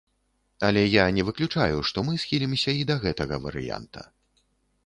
Але я не выключаю, што мы схілімся і да гэтага варыянта.